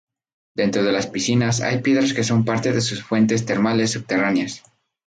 Dentro de las piscinas hay piedras que son parte de sus fuentes termales subterráneas.